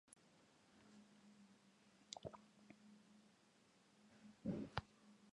Bero handiaren ondorioz, jardunaldia gogorra izan da.